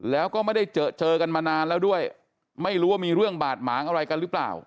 แล้วก็ไม่ได้เจอเจอกันมานานแล้วด้วยไม่รู้ว่ามีเรื่องบาดหมางอะไรกันหรือเปล่า